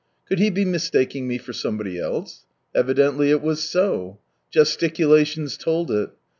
Could he be mistaking me for somebody else ? Evidently it was so. Gesticulations told it.